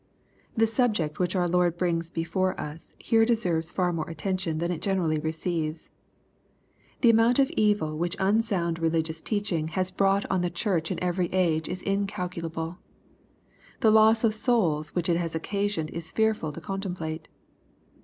The subject which our Lord brings before us here de serves far more attention than it generally receives. The amount of evil which unsound religious teaching has 190 EXPOSITORY THOUGHTS. brought on tLe Church in every age is incalculable. The loss of souls which it has occasioned is fearful to contem plate.